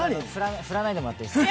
振らないでもらっていいですか？